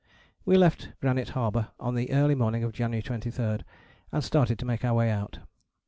We left Granite Harbour in the early morning of January 23, and started to make our way out.